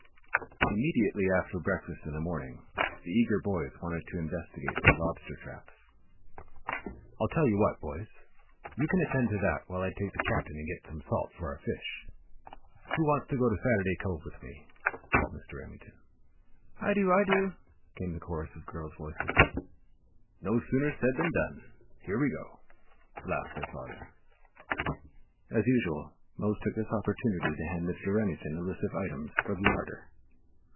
Immediately after breakfast in the morning, the eager boys wanted to investigate their lobster traps. "I'll tell you what, boys! You can attend to that while I take the Captain and get some salt for our fish. Who wants to go to Saturday Cove with me?" called Mr. Remington. "I do! I do!" came the chorus of girls' voices. "No sooner said than done here we go!" laughed their father. As usual, Mose took this opportunity to hand Mr. Remington a list of items for the larder.